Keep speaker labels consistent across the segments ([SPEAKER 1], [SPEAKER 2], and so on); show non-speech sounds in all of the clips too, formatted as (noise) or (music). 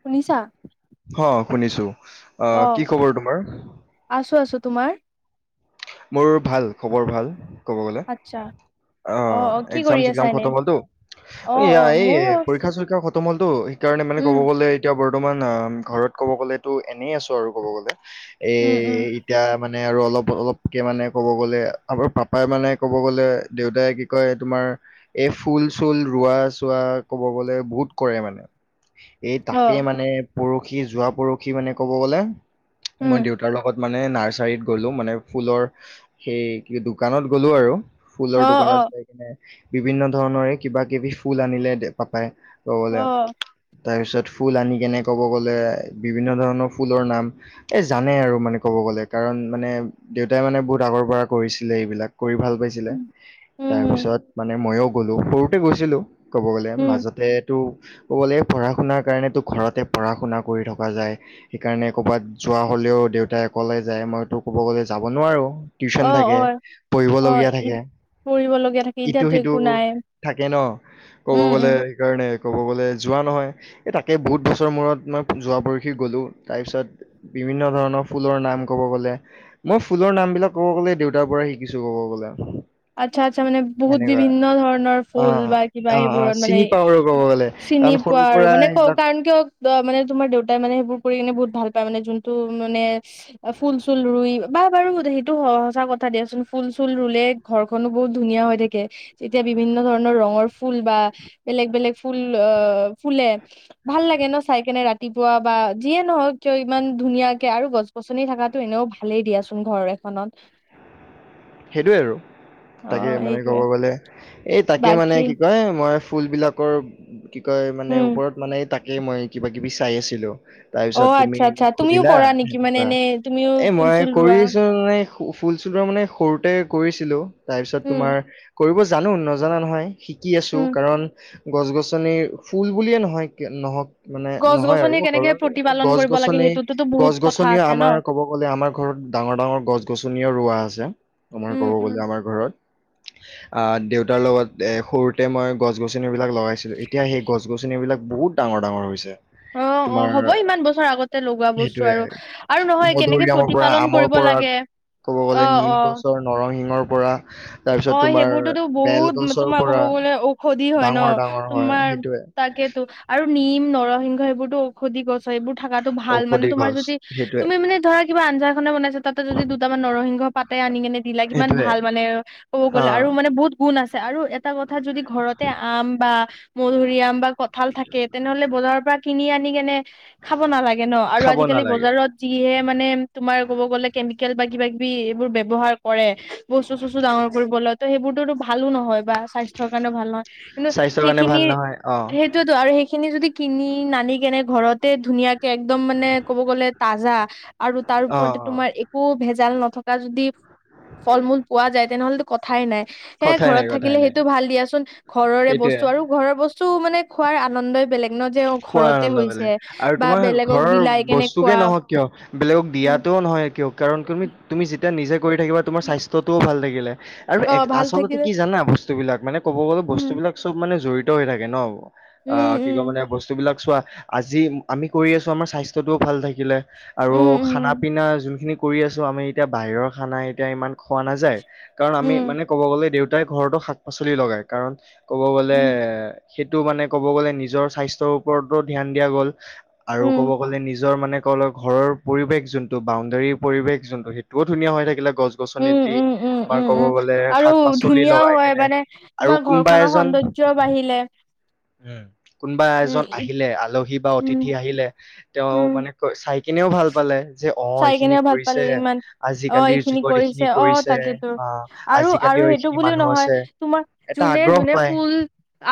[SPEAKER 1] শুনিছা
[SPEAKER 2] শুনিছোঁ
[SPEAKER 1] অ
[SPEAKER 2] আহ কি খবৰ তোমাৰ
[SPEAKER 1] আছো আছো তোমাৰ
[SPEAKER 2] মোৰ ভাল খবৰ ভাল ক'ব গ'লে
[SPEAKER 1] আচ্ছা অ
[SPEAKER 2] আহ
[SPEAKER 1] অ কি
[SPEAKER 2] একজাম
[SPEAKER 1] কৰি আছা
[SPEAKER 2] চেকজাম
[SPEAKER 1] এনে?
[SPEAKER 2] খতোম হ'লতো,
[SPEAKER 1] অ
[SPEAKER 2] এই
[SPEAKER 1] অ
[SPEAKER 2] আহ এই
[SPEAKER 1] মোৰ
[SPEAKER 2] পৰীক্ষা চৰীক্ষা খতোম (unintelligible) সেই কাৰণে মানে
[SPEAKER 1] উম
[SPEAKER 2] ক'ব গ'লে এতিয়া বৰ্ত বৰ্তমান ঘৰত ক'ব গ'লেতো এনেই আছোঁ আৰু ক'ব গ'লে এ
[SPEAKER 1] উম উম
[SPEAKER 2] এতিয়া মানে মানে আৰু অলপ অলপ কে মানে ক'ব গ'লে আমাৰ পাপাই মানে ক'ব গ'লে দেউতাই কি কয় তোমাৰ এই ফুল চুল ৰোৱা চোৱা ক'ব গ'লে বহুত কৰে মানে এই
[SPEAKER 1] অ
[SPEAKER 2] তাকে মানে পৰহি যোৱা পৰহি মানে ক'ব গ'লে
[SPEAKER 1] উম
[SPEAKER 2] মই দেউতাৰ লগত মানে নাৰ্চাৰীত গ'লো মানে ফুলৰ সেই কি দোকানত গ'লো আৰু
[SPEAKER 1] অ
[SPEAKER 2] ফুলৰ
[SPEAKER 1] অ
[SPEAKER 2] দোকানত যাই কিনে বিভিন্ন ধৰণৰে কিবা কিবি ফুল আনিলে দে পাপাই
[SPEAKER 1] অ
[SPEAKER 2] (unintelligible) তাৰপিছত ফুল আনি কিনে ক'ব গ'লে বিভিন্ন ধৰণৰ ফুলৰ নাম এই জানে আৰু মানে ক'ব গ'লে কাৰণ মানে দেউতাই মানে বহুত আগৰ পৰা কৰিছিলে এইবিলাক কৰি ভাল পাইছিলে
[SPEAKER 1] উম উম হম
[SPEAKER 2] তাৰপিছত মানে মইও গ'লো সৰুতে গৈছিলো ক'ব গ'লে
[SPEAKER 1] উম
[SPEAKER 2] মাজতেতো ক'বলে পঢ়া শুনাৰ কাৰণে ঘৰতে পঢ়া শুনা কৰি থকা যায় সেইকাৰণে ক'ৰবাত যোৱা হ'লেও দেউতাই অকলে যায় মইতো ক'ব গ'লে যাব নোৱাৰোঁ
[SPEAKER 1] অ
[SPEAKER 2] টিউচন
[SPEAKER 1] অ
[SPEAKER 2] থাকে
[SPEAKER 1] অ
[SPEAKER 2] পঢ়িবলগীয়া থাকে
[SPEAKER 1] পঢ়িবলগীয়া থাকে
[SPEAKER 2] ইটো
[SPEAKER 1] এতিয়াতো
[SPEAKER 2] সিটো
[SPEAKER 1] একো নাই
[SPEAKER 2] থাকে ন ক'ব
[SPEAKER 1] উম
[SPEAKER 2] গলে
[SPEAKER 1] উম
[SPEAKER 2] সেইকাৰণে ক'ব গ'লে যোৱা নহয় এই তাকে বহুত বছৰ মূৰত মই যোৱা পৰহি গ'লো তাৰপিছত বিভিন্ন ধৰণৰ ফুলৰ নাম ক'ব গ'লে মই ফুলৰ নাম বিলাক ক'ব গ'লে দেউতাৰ পৰা শিকিছো কব গ'লে
[SPEAKER 1] আচ্ছা আচ্ছা মানে বহুত
[SPEAKER 2] সেনেকুৱা
[SPEAKER 1] বিভিন্ন ধৰণৰ
[SPEAKER 2] অ
[SPEAKER 1] ফুল বা কিবা
[SPEAKER 2] অ অ
[SPEAKER 1] সেইবোৰত মানে
[SPEAKER 2] চিনি পাওঁ আৰু ক'ব গ'লে
[SPEAKER 1] চিনি
[SPEAKER 2] কাৰণ
[SPEAKER 1] পোৱা
[SPEAKER 2] সৰুৰ
[SPEAKER 1] আৰু
[SPEAKER 2] পৰা
[SPEAKER 1] মানে ক
[SPEAKER 2] এইবিলাক
[SPEAKER 1] কাৰণ কিয় মানে তোমাৰ দেউতাই মানে সেইবোৰ কৰি কিনে বহুত ভাল পায় মানে যোনটো মানে ফুল চুল ৰুই বা বাৰু সেইটো সচাঁ কথা দিয়াচোন ফুল চুল ৰুলে ঘৰখনো বহুত ধুনীয়া হৈ থাকে যেতিয়া বিভিন্ন ধৰণৰ ৰঙৰ ফুল বা বেলেগ বেলেগ ফুল অহ ফুলে ভাল লাগে ন চাই কেনে? ৰাতিপুৱা বা যিয়ে নহওক কিয় ইমান ধুনীয়াকে আৰু গছ গছনি থাকাতো এনেও ভালেই দিয়াচোন ঘৰ এখনত।
[SPEAKER 2] সেইটোৱে আৰু।
[SPEAKER 1] অ
[SPEAKER 2] তাকে মানে কব
[SPEAKER 1] সেইটোয়ে
[SPEAKER 2] গলে এই তাকে মানে
[SPEAKER 1] বাকী
[SPEAKER 2] কি কয় মই ফুলবিলাকৰ কি কয় মানে
[SPEAKER 1] উম
[SPEAKER 2] ওপৰত মানে এই তাক এ মই কিবা কিবি চাই আছিলো। তাৰ
[SPEAKER 1] অ
[SPEAKER 2] পিছত তুমি
[SPEAKER 1] আচ্ছা আচ্ছা
[SPEAKER 2] মোক
[SPEAKER 1] তুমিও
[SPEAKER 2] সুধিলা,
[SPEAKER 1] কৰা নেকি মানে
[SPEAKER 2] সেনেকুৱা
[SPEAKER 1] এনে তুমিও
[SPEAKER 2] এ
[SPEAKER 1] ফুল
[SPEAKER 2] মই
[SPEAKER 1] চুল
[SPEAKER 2] কৰি
[SPEAKER 1] ৰোৱা
[SPEAKER 2] আছো নে ফু ফুল চুলৰ মানে সৰুতে কৰিছিলোঁ তাৰপিছত
[SPEAKER 1] উম
[SPEAKER 2] তোমাৰ কৰিব জানো, নজনা নহয়। শিকি আছো
[SPEAKER 1] উম
[SPEAKER 2] কাৰণ গছ-গছনিৰ, ফুল বুলিয়ে নহয়, নহওঁক মানে
[SPEAKER 1] গছ
[SPEAKER 2] নহয় আৰু
[SPEAKER 1] গছনি কেনেকে
[SPEAKER 2] ধৰক,
[SPEAKER 1] প্ৰতিপালন
[SPEAKER 2] গছ
[SPEAKER 1] কৰিব লাগে
[SPEAKER 2] গছনি
[SPEAKER 1] সেইটোতোতো
[SPEAKER 2] গছ
[SPEAKER 1] বহুত কথা
[SPEAKER 2] গছনিয়ে
[SPEAKER 1] আছে ন।
[SPEAKER 2] আমাৰ ক'ব গলে আমাৰ ঘৰত ডাঙৰ- ডাঙৰ গছ গছনিও ৰোৱা আছে। আমাৰ
[SPEAKER 1] উম
[SPEAKER 2] ক'ব
[SPEAKER 1] উম।
[SPEAKER 2] গ'লে আমাৰ ঘৰত আ দেউতাৰ লগত এ সৰুতে মই গছ গছনি ৰো বিলাক লগাইছিলো, এতিয়া সেই গছ গছনি বিলাক বহুত ডাঙৰ-ডাঙৰ হৈছে।
[SPEAKER 1] অঁ- অঁ হ'ব ইমান বছৰ আগতে লগোৱা বস্তু
[SPEAKER 2] সেইটোয়ে
[SPEAKER 1] আৰু, আৰু নহয় কেনেকে
[SPEAKER 2] মধুৰিআমৰ পৰা
[SPEAKER 1] প্ৰতিপালন
[SPEAKER 2] আমৰ
[SPEAKER 1] কৰিব
[SPEAKER 2] পৰা
[SPEAKER 1] লাগে,
[SPEAKER 2] ক'ব গ'লে নিম
[SPEAKER 1] অঁ-অঁ।
[SPEAKER 2] গছৰ নৰসিংহৰ পৰা, তাৰ পিছত তোমাৰ,
[SPEAKER 1] সেইবোৰতোতো বহুত
[SPEAKER 2] বেলগছৰ
[SPEAKER 1] তোমাৰ ক'ব
[SPEAKER 2] পৰা
[SPEAKER 1] গ'লে ঔষধি হয় ন
[SPEAKER 2] ডাঙৰ- ডাঙৰ হয়,
[SPEAKER 1] তোমাৰ
[SPEAKER 2] সেইটোয়ে।
[SPEAKER 1] তাকেতো আৰু নিম, নৰসিংহ সেইবোৰতো ঔষধি গছ ত' এইবোৰ থাকাতো ভাল মানে
[SPEAKER 2] ঔষধি
[SPEAKER 1] তোমাৰ
[SPEAKER 2] গছ
[SPEAKER 1] যদি
[SPEAKER 2] সেইটোয়ে
[SPEAKER 1] তুমি মানে ধৰা কিবা আঞ্জা খানা বনাই চা তাতে যদি দুটামান নৰসিংহ পাতে আনি কেনে দিলা কিমান
[SPEAKER 2] সেইটোয়ে
[SPEAKER 1] ভাল মানে ক'ব
[SPEAKER 2] অ
[SPEAKER 1] গ'লে আৰু মানে বহুত গুণ আছ আৰু এটা কথা যদি ঘৰতে আম বা মধুৰি আম বা কঁঠাল থাকে, তেনেহ'লে বজাৰৰ পৰা কিনি আনি কেনে খাব নালাগে ন আৰু
[SPEAKER 2] খাব
[SPEAKER 1] আজিকালি
[SPEAKER 2] নালাগে
[SPEAKER 1] বজাৰত যিহে মানে তোমাৰ ক'ব গ'লে কেমিকেল বা কিবা কিবি এইবোৰ বে ব্যবহাৰ কৰে বস্তু চস্তু ডাঙৰ কৰিবলে ত' সেইবোৰ টোটো ভালো নহয় বা স্বাস্থ্যৰ কাৰণেও ভাল নহয়, কিন্তু
[SPEAKER 2] স্বাস্থ্যৰ কাৰণে ভাল
[SPEAKER 1] সেইখিনিৰ
[SPEAKER 2] নহয় অ
[SPEAKER 1] সেইটোৱেইটো আৰু সেই খিনি যদি কিনি নানি কেনে ঘৰতে ধুনীয়াক একদম মানে ক'ব গ'লে তাজা আৰু তাৰ
[SPEAKER 2] অ
[SPEAKER 1] ওপৰতে
[SPEAKER 2] অ
[SPEAKER 1] তোমাৰ একো ভেজাল ন থকা যদি ফল মূল পোৱা যায়, তেনেহলেতো কথাই নাই। সেয়ে
[SPEAKER 2] কথাই
[SPEAKER 1] ঘৰত
[SPEAKER 2] নাই কথাই
[SPEAKER 1] থাকিলে
[SPEAKER 2] নাই
[SPEAKER 1] সেইটো ভাল দিয়াচোন ঘৰৰে
[SPEAKER 2] সেইটোয়ে
[SPEAKER 1] বস্তু আৰু ঘৰৰ বস্তু মানে খোৱাৰ আনন্দই বেলেগ ন যে
[SPEAKER 2] খোৱাৰ
[SPEAKER 1] ঘৰতে
[SPEAKER 2] আনন্দ
[SPEAKER 1] হৈছে
[SPEAKER 2] বেলেগ আৰু
[SPEAKER 1] বা
[SPEAKER 2] তোমাৰ
[SPEAKER 1] বেলেগক
[SPEAKER 2] ঘৰৰ
[SPEAKER 1] বিলাই কেনে
[SPEAKER 2] বস্তুকে
[SPEAKER 1] খোৱা
[SPEAKER 2] নহওঁক কিয় বেলেগক
[SPEAKER 1] উম
[SPEAKER 2] দিয়াটোও নহয় কিয় কাৰণ তুমি, তুমি যেতিয়া নিজে কৰি থাকিবা তোমাৰ স্বাস্থ্যটোও ভাল থাকিলে। আৰু
[SPEAKER 1] অ
[SPEAKER 2] এক
[SPEAKER 1] ভাল
[SPEAKER 2] আচলতে
[SPEAKER 1] থাকিলে
[SPEAKER 2] কি জানা ব স্তুবিলাক মানে ক'ব গ'লে
[SPEAKER 1] উম
[SPEAKER 2] বস্তুবিলাক চব মানে জড়ি ত হৈ থাকে ন।
[SPEAKER 1] উম
[SPEAKER 2] আহ, কি কম
[SPEAKER 1] উম
[SPEAKER 2] মানে এইবিলাক চোৱা আজি আমি কৰি আছো আমাৰ স্বাস্থ্যটোও ভাল থাকিলে। আৰু
[SPEAKER 1] উম
[SPEAKER 2] খানা
[SPEAKER 1] উম
[SPEAKER 2] পিনা যোনখিনি কৰি আছোঁ আমি এতিয়া বাহিৰৰ খানা এতিয়া ইমান খোৱা নাযায়। কাৰণ আমি
[SPEAKER 1] উম
[SPEAKER 2] মানে কব গ'লে দেউ তাই ঘৰতো শাক পাচলি লগাই কাৰণ ক'ব গ'লে
[SPEAKER 1] উম,
[SPEAKER 2] সেইটো মানে ক'ব গ'লে নিজৰ স্বাস্থ্য ওপৰতো ধ্যান দিয়া গল আৰু
[SPEAKER 1] উম,
[SPEAKER 2] কব গ'লে নিজৰ মানে ঘৰৰ পৰিৱেশ যোনটো বাউণ্ডেৰীৰ পৰিৱেশ যোনটো সেইটোও ধুনীয়া হৈ থাকিলে। গছ
[SPEAKER 1] উম,
[SPEAKER 2] গছনিত দি
[SPEAKER 1] উম, উম, উম,
[SPEAKER 2] তোমাৰ ক'ব
[SPEAKER 1] উম।
[SPEAKER 2] গ'লে
[SPEAKER 1] আৰু
[SPEAKER 2] শাক পাচলি
[SPEAKER 1] ধুনীয়াও
[SPEAKER 2] লগাই
[SPEAKER 1] হয়
[SPEAKER 2] কেনে
[SPEAKER 1] মানে
[SPEAKER 2] আৰু
[SPEAKER 1] তোমাৰ
[SPEAKER 2] কোনোবা
[SPEAKER 1] ঘৰখনৰ
[SPEAKER 2] এজন
[SPEAKER 1] সৌন্দৰ্যও বাঢ়িলে
[SPEAKER 2] উম, কোনোবা
[SPEAKER 1] উম,
[SPEAKER 2] এজন
[SPEAKER 1] ই-
[SPEAKER 2] আহিলে আল বা
[SPEAKER 1] উম,
[SPEAKER 2] অতিথি আহিলে তেওঁ
[SPEAKER 1] উম।
[SPEAKER 2] মানে ক চাই কেনেও ভাল পালে যে অ
[SPEAKER 1] চাই
[SPEAKER 2] এইখিনি
[SPEAKER 1] কেনে ভাল পালে
[SPEAKER 2] কৰিছে
[SPEAKER 1] ইমান অহ
[SPEAKER 2] আজিকালিৰ
[SPEAKER 1] এইখিনি
[SPEAKER 2] যুগত
[SPEAKER 1] কৰিছে অ, তাকেতো
[SPEAKER 2] বা
[SPEAKER 1] আৰু, আৰু
[SPEAKER 2] আজিকালিও
[SPEAKER 1] সেইটো
[SPEAKER 2] এইখিনি
[SPEAKER 1] বুলিও
[SPEAKER 2] মানুহ
[SPEAKER 1] নহয়
[SPEAKER 2] আছে
[SPEAKER 1] তোমাৰ
[SPEAKER 2] এটা
[SPEAKER 1] যোনে
[SPEAKER 2] আগ্ৰহ
[SPEAKER 1] যোনে
[SPEAKER 2] পায়
[SPEAKER 1] ফুল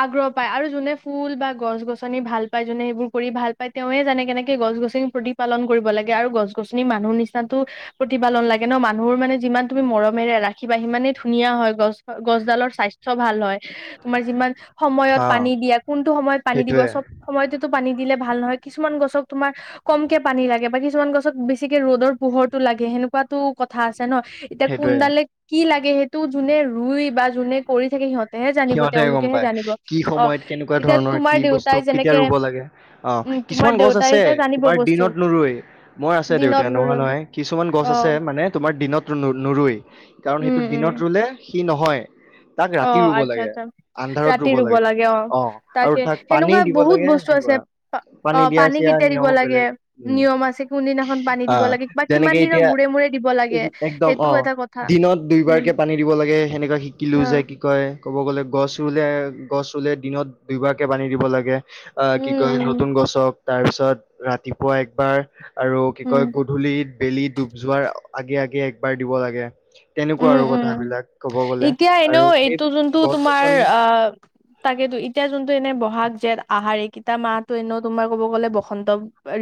[SPEAKER 1] আগ্ৰহ পাই আৰু যোনে ফুল বা গছ গছনি ভাল পায় যোনে সেইবোৰ কৰি ভাল পায় তেওঁৱে জানে কেনেকে গছ গছনি প্ৰতিপালন কৰিব লাগে আৰু গছ গছনি মানুহ নিচিনাটো প্ৰতিপালন লাগে ন মানুহৰ মানে যিমান তুমি মৰমেৰে ৰাখিবা সিমানেই ধুনীয়া হয় গছ গছডালৰ স্বাস্থ্য ভাল হয়, তোমাৰ যিমান সময়ত
[SPEAKER 2] অ
[SPEAKER 1] পানী দিয়া কোনটো সময়ত পানী দিব
[SPEAKER 2] সেইটোৱে
[SPEAKER 1] চব সময়তেতো পানী দিলে ভাল নহয়, কিছুমান গছক তোমাৰ কমকে পানী লাগে বা কিছুমান গছ ত বেছিকে ৰ'দৰ পোহৰটো লাগে সেনেকুৱাটো কথা আছে (unintelligible) ন এতিয়া
[SPEAKER 2] সেইটোয়ে
[SPEAKER 1] কোনডালে কি লাগ সেইটো যোনে ৰুই বা যোনে কৰি থাকে সিহঁত
[SPEAKER 2] সিহঁতেহে গম পাই কি সময়ত কেনেকুৱা
[SPEAKER 1] এতিয়া
[SPEAKER 2] ধৰণৰ
[SPEAKER 1] তোমাৰ
[SPEAKER 2] কি বস্তু
[SPEAKER 1] দেউতাই
[SPEAKER 2] কেতিয়া
[SPEAKER 1] যেনেকে
[SPEAKER 2] ৰুব লাগে, অ,
[SPEAKER 1] উম তোমাৰ
[SPEAKER 2] কিছুমান গছ
[SPEAKER 1] দেউতাই
[SPEAKER 2] আছে
[SPEAKER 1] এতিয়া জানিব
[SPEAKER 2] তোমাৰ
[SPEAKER 1] বস্তু
[SPEAKER 2] দিনত নুৰুৱে মোৰ আছ (unintelligible) দেউতা
[SPEAKER 1] দিনত ৰুই
[SPEAKER 2] নোহোৱা
[SPEAKER 1] ৰুই।
[SPEAKER 2] নহয়, কিছুমান গছ
[SPEAKER 1] অ
[SPEAKER 2] আছে মানে তু মই দিনত নু নুৰুৱেই। কাৰণ সেইটো
[SPEAKER 1] উম
[SPEAKER 2] দিনত ৰুলে ই নহয়। তাক ৰাতি
[SPEAKER 1] অহ',
[SPEAKER 2] ৰুব
[SPEAKER 1] আচ্ছা -
[SPEAKER 2] লাগে
[SPEAKER 1] আচ্ছা ৰাতি ৰুব লাগে। অহ
[SPEAKER 2] অ
[SPEAKER 1] ',
[SPEAKER 2] আৰু
[SPEAKER 1] তাকে
[SPEAKER 2] তাক পানী
[SPEAKER 1] সেনেকুৱা
[SPEAKER 2] দিব
[SPEAKER 1] বহুত
[SPEAKER 2] লাগে
[SPEAKER 1] বস্তু আছে
[SPEAKER 2] সেনেকুৱা
[SPEAKER 1] প অহ ',
[SPEAKER 2] দিয়া
[SPEAKER 1] পানী
[SPEAKER 2] চিয়া
[SPEAKER 1] কেতিয়া দিব
[SPEAKER 2] নিয়মো
[SPEAKER 1] লাগে,
[SPEAKER 2] বেলেগ উম
[SPEAKER 1] নিয়ম আছে, কোনদিনাখন পানী দিব
[SPEAKER 2] আহ
[SPEAKER 1] লাগে বা কিমান
[SPEAKER 2] যেনেকে
[SPEAKER 1] দিনৰ
[SPEAKER 2] এতিয়া
[SPEAKER 1] মূৰে - মূৰে দিব লাগে
[SPEAKER 2] একদম অ
[SPEAKER 1] সেইটোও এটা কথা,
[SPEAKER 2] দিনত
[SPEAKER 1] উম।
[SPEAKER 2] দুইবাৰকে পানী দিব লাগে সেনেকা শিকিলো যে কি কয় ক'ব গ'লে গছ ৰুলে গছ ৰুলে দিনত দুবাৰকে পানী দিব লাগে। অহ ', কি
[SPEAKER 1] উম
[SPEAKER 2] কয়
[SPEAKER 1] উম
[SPEAKER 2] নতুন গছক তাৰপিছত ৰাতিপুৱা একবাৰ। আৰু কি
[SPEAKER 1] উম
[SPEAKER 2] কয় গধূলিত বেলি ডুব যোৱাৰ আগে - আগে একবাৰ দিব লাগে। তেনেকুৱা
[SPEAKER 1] উম
[SPEAKER 2] আৰু কথাবিলাক ক'ব গ'লে, আৰু
[SPEAKER 1] ত' যোনটো
[SPEAKER 2] গছ
[SPEAKER 1] তোমাৰ
[SPEAKER 2] গছনি
[SPEAKER 1] আহ, তাকেটো এতিয়া যোনটো এনে ব'হাগ, জেঠ, আহাৰ এইকিতা মাহতো এনেও তোমাৰ ক'ব গ'লে বসন্ত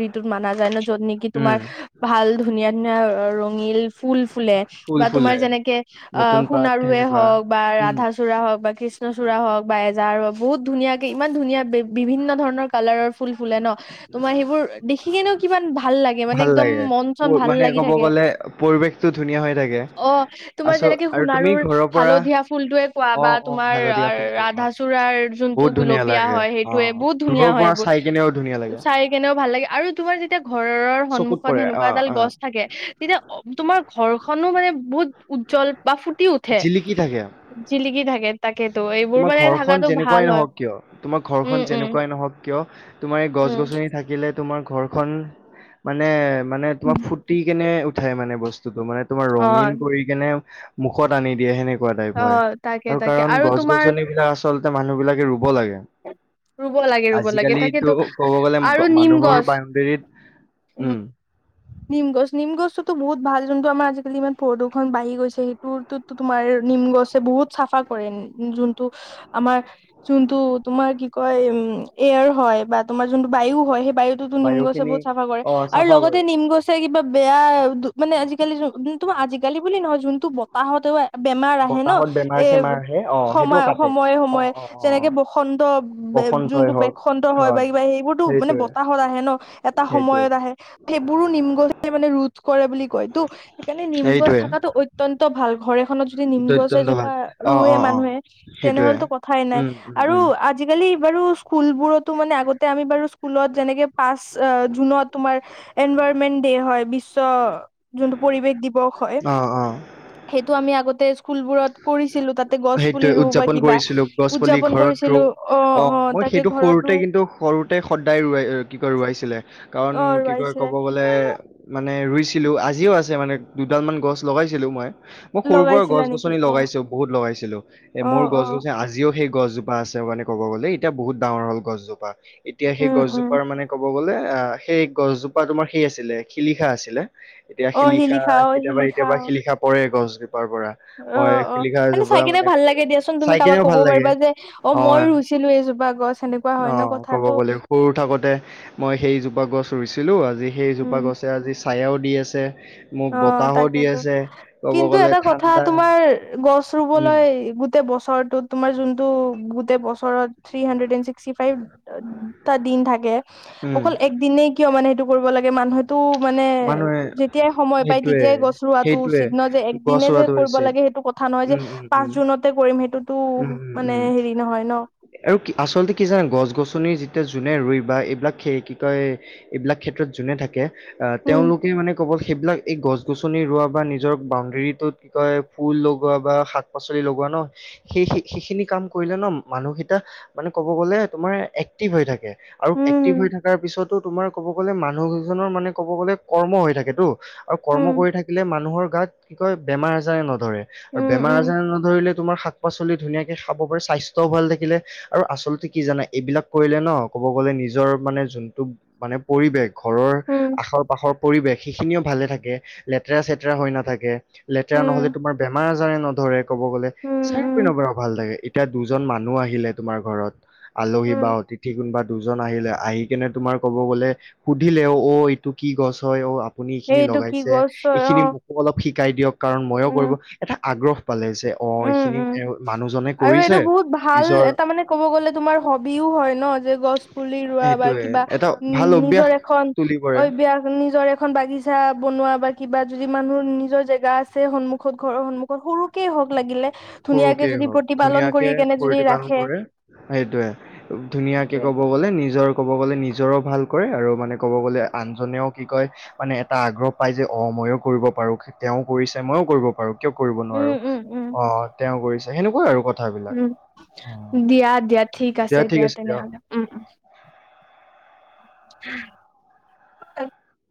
[SPEAKER 1] ঋতুত মানা যায় ন য'ত নেকি তুমাৰ
[SPEAKER 2] উম
[SPEAKER 1] ভাল ধুনীয়া - ধুনীয়া ৰঙিল ফুল ফুলে
[SPEAKER 2] ফুল
[SPEAKER 1] বা তোমাৰ
[SPEAKER 2] ফুলে
[SPEAKER 1] যেনেকে আহ,
[SPEAKER 2] নতুন পাত
[SPEAKER 1] সোণাৰুৱে
[SPEAKER 2] সেনেকুৱা
[SPEAKER 1] হওক বা
[SPEAKER 2] উম
[SPEAKER 1] ৰাধাচূড়া হওক বা কৃষ্ণচূড়া হওক বা এজাৰ হওক বহুত ধুনীয়াকে ইমান ধুনীয়া বিভিন্ন ধৰণৰ কালাৰৰ ফুল ফুলে ন তোমাৰ সেইবোৰ দেখি কেনেও কিমান ভা
[SPEAKER 2] ভাল লাগে মানে ক'ব গ'লে পৰিৱেশটো ধুনীয়া হৈ থাকে।
[SPEAKER 1] অহ', তোমাৰ
[SPEAKER 2] আছো
[SPEAKER 1] যেনেকে
[SPEAKER 2] আৰু তুমি
[SPEAKER 1] সোণাৰুৰ
[SPEAKER 2] ঘৰৰ পৰা
[SPEAKER 1] হালধীয়া ফুলটোৱে কোৱা
[SPEAKER 2] অ
[SPEAKER 1] বা
[SPEAKER 2] অ
[SPEAKER 1] তোমাৰ
[SPEAKER 2] হালধীয়া ফুলটো অ
[SPEAKER 1] ৰাধাচূড়াৰ
[SPEAKER 2] বহুত
[SPEAKER 1] যোনটো
[SPEAKER 2] ধুনীয়া
[SPEAKER 1] গুলপীয়া
[SPEAKER 2] লাগে
[SPEAKER 1] হয়
[SPEAKER 2] অ
[SPEAKER 1] সেইটোৱে বহুত
[SPEAKER 2] দূৰৰ
[SPEAKER 1] ধুনীয়া হয়।
[SPEAKER 2] পৰা চাই কেনেও ধুনীয়া
[SPEAKER 1] এইবোৰ
[SPEAKER 2] লাগে
[SPEAKER 1] চাই কেনেও ভাল লাগে আৰু তোমাৰ যেতিয়া ঘৰ ঘৰৰ
[SPEAKER 2] চকুত
[SPEAKER 1] সন্মুখত
[SPEAKER 2] পৰে অ
[SPEAKER 1] সেনেকুৱা এডাল
[SPEAKER 2] অ
[SPEAKER 1] গছ থাকে। তেতিয়া তোমাৰ ঘৰখনো মানে উজ্জ্বল বা ফুটি উঠে,
[SPEAKER 2] জিলিকি থাকে
[SPEAKER 1] জিলিকি থাক
[SPEAKER 2] তোমাৰ ঘৰখন যেনেকুৱাই
[SPEAKER 1] হয়
[SPEAKER 2] নহওক কিয় - তোমাৰ
[SPEAKER 1] উম
[SPEAKER 2] ঘৰখন
[SPEAKER 1] উম
[SPEAKER 2] যেনেকুৱাই নহওক কিয়, তোমাৰ এই গছ
[SPEAKER 1] উম
[SPEAKER 2] গছনি থাকিলে তোমাৰ ঘৰখন মানে মানে তোমাৰ ফুটি কেনে উঠে মানে বস্তু মানে তোমাৰ
[SPEAKER 1] অ
[SPEAKER 2] ৰঙীন কৰি কেনে মুখত আনি দিয়ে সেনেক
[SPEAKER 1] অ', তাকে তাক
[SPEAKER 2] কাৰণ গছ-গছনিবিলাক আচলতে মানুহবিলাকে ৰুব লাগ
[SPEAKER 1] ৰুব লাগে, ৰুব লাগে তাকেটো
[SPEAKER 2] ক'ব গ'লে
[SPEAKER 1] আৰু
[SPEAKER 2] গ-
[SPEAKER 1] নিম
[SPEAKER 2] মানুহৰ
[SPEAKER 1] গছ
[SPEAKER 2] বাউণ্ডেৰীত
[SPEAKER 1] উম। নিম গছ নিম গছটোতো বহুত ভাল যোনটো আমাৰ আজিকালি ইমান প্ৰদূষণ বাঢ়ি গৈছে সেইটোতো তোমাৰ নিম গছে বহুত চাফা কৰে যোনটো আমাৰ যোনটো তোমাৰ কি কয় উ এয়াৰ হয় বা তোমাৰ যোনটো বায়ু হয়, বায়ুতোতো নিম গছে
[SPEAKER 2] বায়ুখিনি
[SPEAKER 1] বহুত চাফা কৰে
[SPEAKER 2] অ
[SPEAKER 1] আৰু
[SPEAKER 2] চাফা
[SPEAKER 1] লগতে
[SPEAKER 2] কৰে
[SPEAKER 1] নিম কিবা বেয়া মানে আজি তো আজিকালি বুলি নহয় যোন টো বতাহতেওে বেমাৰ আহে ন
[SPEAKER 2] বতাহত বেমাৰ
[SPEAKER 1] এ
[SPEAKER 2] চেমাৰ আহে অ সেইটো
[SPEAKER 1] সময়
[SPEAKER 2] কাটে
[SPEAKER 1] সময়ে
[SPEAKER 2] অ
[SPEAKER 1] সময়ে
[SPEAKER 2] অ অ অ
[SPEAKER 1] যেনেকে বসন্ত
[SPEAKER 2] বসন্তই
[SPEAKER 1] যোনটো
[SPEAKER 2] হওক
[SPEAKER 1] বসন্ত হয় বা কিবা সেইবোৰতো মানে
[SPEAKER 2] সেইটোৱে
[SPEAKER 1] বতাহত আহে ন এটা
[SPEAKER 2] সেইটোৱে
[SPEAKER 1] সময়ত আহে সেই বোৰো নিম গ'ছে মানে ৰু কৰে বুলি কয় টো সেইকাৰণে নিম গছ
[SPEAKER 2] সেইটোৱে
[SPEAKER 1] থকাতটো অত্য়ন্ত ভাল ঘৰ এখনত যদি নিম গছে
[SPEAKER 2] দৈত্যন্ত
[SPEAKER 1] এজোপা
[SPEAKER 2] ভাগ অ
[SPEAKER 1] ৰুৱে
[SPEAKER 2] অ অ
[SPEAKER 1] মানুহে
[SPEAKER 2] সেইটোৱে
[SPEAKER 1] তেনেহলেতো কথাই নাই
[SPEAKER 2] উম উম
[SPEAKER 1] আৰু
[SPEAKER 2] উম
[SPEAKER 1] আজিকালি বাৰু ফুলবোৰোতো মান আগতে আমি বাৰু ফুলত যেনেকে পাচ অ' জুনত তোমাৰ এনভাইৰমেন্ট ডিয়ে হয় বিশ্ব যোনটো পৰিৱেশ দিবস হয়
[SPEAKER 2] অ অ
[SPEAKER 1] সেয়টো আমি আগতে স্কুলবোৰত কৰি
[SPEAKER 2] সেইটোয়ে উদযাপন কৰিছিলো গছ পুলি
[SPEAKER 1] উদযাপন
[SPEAKER 2] ঘৰত ৰু
[SPEAKER 1] কৰিছিলো
[SPEAKER 2] অ মই
[SPEAKER 1] তাকে
[SPEAKER 2] সেইটো
[SPEAKER 1] ঘৰত ৰু
[SPEAKER 2] সৰুতে কিন্তু সৰুতে সদায় ৰুৱায় কি কয় ৰুৱাইছিলে কাৰণ
[SPEAKER 1] অ
[SPEAKER 2] কি কয়
[SPEAKER 1] ৰুৱাইছিলে
[SPEAKER 2] ক'ব গ'লে মানে ৰুই ছিলো আজিও আছে মানে দুডাল মান গছ লগাইছিলো মই মই সৰু পৰাৰ
[SPEAKER 1] লগাইছিলা
[SPEAKER 2] গছ
[SPEAKER 1] নেকি
[SPEAKER 2] গছনি
[SPEAKER 1] অ
[SPEAKER 2] লগাইছো বহুত লগাইছো এ
[SPEAKER 1] অ
[SPEAKER 2] মোৰ
[SPEAKER 1] অ
[SPEAKER 2] গছ গছে আজিওেই গছজোপা আছে মানে ক'ব গ'লে এতিয়া বহুত ডাঙৰ হ'ল গছজোপা এতিয়া সেই
[SPEAKER 1] উম উম
[SPEAKER 2] গছজোপাৰ মানে ক'ব গ'লে অ' সেই গছজোপা তোমাৰ সেই আছিলে শিলিখা আছিলে এতিয়া
[SPEAKER 1] অ সি
[SPEAKER 2] শিলিখা
[SPEAKER 1] লিখা অ সি
[SPEAKER 2] কেতিয়াবা
[SPEAKER 1] লিখা
[SPEAKER 2] কেতিয়াবা শিলিখা পৰে গছ পোৰা পৰা
[SPEAKER 1] অ
[SPEAKER 2] মই
[SPEAKER 1] অ
[SPEAKER 2] খিলিখা
[SPEAKER 1] এনে চাই
[SPEAKER 2] জোপা
[SPEAKER 1] কিনে
[SPEAKER 2] মানে ক'ব
[SPEAKER 1] ভাল লাগে
[SPEAKER 2] গ'লে
[SPEAKER 1] দিয়াচোন তুমি
[SPEAKER 2] চাই
[SPEAKER 1] কাৰোবাক
[SPEAKER 2] কিনেও
[SPEAKER 1] ক'ব
[SPEAKER 2] ভাল লাগে
[SPEAKER 1] পাৰিবা যে অ মইয়ো ৰুইছিলো। এইজোপা গছ। সেনেকুৱা হয় ন
[SPEAKER 2] অহ', ক'ব
[SPEAKER 1] কথাটো
[SPEAKER 2] গ'লে সৰু থাকোতে মই সেই জোপা গছ ৰুইছি হেল্ল', জি সেইজোপা গছে আজি ছায়াও দি আছে। মোক
[SPEAKER 1] অহ',
[SPEAKER 2] বতাহো দি
[SPEAKER 1] তাকেতো
[SPEAKER 2] আছে ক'ব
[SPEAKER 1] কিন্তু
[SPEAKER 2] গ'লে
[SPEAKER 1] এটা কথা
[SPEAKER 2] ঠাণ্ডা
[SPEAKER 1] তোমাৰ গছ
[SPEAKER 2] উম
[SPEAKER 1] ৰুবলৈ গোতে বছৰটোত তোমাৰ যোনটো ব গোতেই বছৰত, থ্ৰী হানড্ৰেত এণ্ড ছিক্সটি ফাইভটা দিন থাকে
[SPEAKER 2] উম
[SPEAKER 1] অকল এক দিনে কিয় মানে, কৰিব লাগে মানুহে, টো মানে
[SPEAKER 2] মানুহে
[SPEAKER 1] যেতিয়াই। সময় পাই
[SPEAKER 2] সেইটোৱে
[SPEAKER 1] তেতিয়াই গছ ৰুৱাটো
[SPEAKER 2] সেইটোৱে
[SPEAKER 1] উচিত ন যে
[SPEAKER 2] গছ
[SPEAKER 1] একদিনে যে
[SPEAKER 2] ৰোৱাটো
[SPEAKER 1] কৰিব
[SPEAKER 2] উচিত
[SPEAKER 1] লাগে সেইটো কথা নহয় যে
[SPEAKER 2] উম উম
[SPEAKER 1] পাঁচ
[SPEAKER 2] উম
[SPEAKER 1] জুনতে কৰিম সেইটোতো
[SPEAKER 2] উম উম
[SPEAKER 1] মানে
[SPEAKER 2] উম
[SPEAKER 1] হেৰি নহয় ন'।
[SPEAKER 2] এতিয়া যোনে ৰুই বা এইবিলাক ক্ষে কি কয় এইবিলাক ক্ষেত্ৰত যোনে থাকে, আহ
[SPEAKER 1] উম
[SPEAKER 2] তেওঁলোকে মানে ক'ব, সেইবিলাক এই গছ গছনি ৰুৱা বা নিজৰ বাউণ্ডেৰীটোত কি কয় ফুল লগোৱা বা শাক পাচলি লগোৱা ন সেই সিখিনি কাম কৰিলে ন মানুহকেইটা মানে ক'ব গ'লে তোমাৰ এক্টিভ হৈ থাকে। আৰু এক্টিভ হৈ
[SPEAKER 1] উম
[SPEAKER 2] থকাৰ পিছত, ত' তোমাৰ ক'ব গ'লে মানুহকেইজনৰ মানে, ক'ব গ'লে কৰ্ম হৈ থাকেতো। আৰু
[SPEAKER 1] উম
[SPEAKER 2] কৰ্ম কৰি থাকিলে মানুহৰ, গাত কি কয় বেমাৰ আজাৰে ন ধৰে আৰু
[SPEAKER 1] উম
[SPEAKER 2] বেমাৰ
[SPEAKER 1] উম
[SPEAKER 2] আজাৰ নধৰিলে তোমাৰ শা শাক পাচলি ধুনীয়াকে খাব পাৰে স্বাস্থ্যও ভাল থাকিলে আৰু আচলতে কি জানা এইবিলাক কৰিলে ন ক'ব গ'লে নিজৰ মানে যোনটো মানে পৰিৱেশ, ঘৰৰ,
[SPEAKER 1] উম
[SPEAKER 2] আষৰ পাষৰ পৰিৱেশ সেইখিনিও ভালে থাকে লেতেৰা চেতেৰা হৈ নাথাকে, লেতেৰা
[SPEAKER 1] উম
[SPEAKER 2] নহ'লে তোমাৰ বেমাৰ আজাৰে ন ধৰে ক'ব গ'লে
[SPEAKER 1] উম
[SPEAKER 2] চাৰিও
[SPEAKER 1] উম
[SPEAKER 2] পিনৰ পৰা ভাল লাগে এতিয়া দুজন মানুহ আহিলে তোমাৰ ঘৰত, আলহী
[SPEAKER 1] উম
[SPEAKER 2] বা অতিথি কোনোবা দুজন আহিলে আহি কিনে তোমাৰ ক'ব গ'লে সুধিলে অহ এ ইটো কি গছ হয় অহ, আপুনি এইখিনি
[SPEAKER 1] এইটো কি
[SPEAKER 2] লগাইছে
[SPEAKER 1] গছ অ
[SPEAKER 2] এইখিনি মোকো অলপ শি কাই দিয়ক, কাৰণ মইয়ো
[SPEAKER 1] উম
[SPEAKER 2] কৰিব এটা, আগ্ৰহ, পালে যে অ
[SPEAKER 1] উম
[SPEAKER 2] এইখিনি
[SPEAKER 1] উম
[SPEAKER 2] এ মানুহজনে
[SPEAKER 1] আৰু
[SPEAKER 2] কৰিছে
[SPEAKER 1] এইটো বহুত ভাল
[SPEAKER 2] নিজৰ
[SPEAKER 1] এটা মানে ক'ব গ'লে তোমাৰ হবিও হয় ন যে গছ পুলি ৰোৱা বা
[SPEAKER 2] সেইটোয়ে
[SPEAKER 1] কিবা
[SPEAKER 2] এটা ভাল
[SPEAKER 1] উম
[SPEAKER 2] অভ্যাস
[SPEAKER 1] নিজৰ এখন
[SPEAKER 2] তুলি পৰে
[SPEAKER 1] অভ্যাস, নিজৰ এখন বাগিছা বনোৱা বা কিবা যদি মানুহৰ নিজৰ জেগা আছে সন্মুখত ঘৰৰ সন্মুখত সৰুকে হওক লাগিলে ধুনীয়াকে
[SPEAKER 2] সৰুকেই
[SPEAKER 1] যদি
[SPEAKER 2] হওঁক,
[SPEAKER 1] প্ৰতিপালন
[SPEAKER 2] ধুনীয়াকে
[SPEAKER 1] কৰি কেনে যদি
[SPEAKER 2] প্ৰতিপালন
[SPEAKER 1] ৰাখে
[SPEAKER 2] কৰে সেইটোয়ে ধুনীয়াকে
[SPEAKER 1] সেইটোৱে
[SPEAKER 2] কব গ'লে নিজৰ ক'ব গ'লে নিজৰো ভাল কৰে আৰু মানে ক'ব গ'লে আনজনেও কি কয় মানে এটা আগ্ৰহ পায় যে অঁ ময়ো কৰিব পাৰোঁ, তেওঁ কৰিছে ময়ো কৰিব পাৰোঁ। কিয় কৰিব
[SPEAKER 1] উম
[SPEAKER 2] নোৱাৰোঁ?
[SPEAKER 1] উম উম
[SPEAKER 2] অঁ। কৰিছে সেনেকুৱাই আৰু কথা
[SPEAKER 1] উম দিয়া দিয়া ঠিক আছে দিয়া তেনেহলে উম উম। (unintelligible)